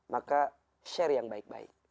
maka share yang baik baik